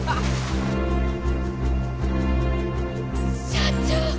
社長！